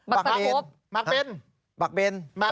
ตะครบหมักเบน